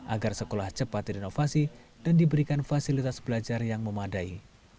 agar sekolah cepat direnovasi dan diberikan fasilitas belajar yang memadai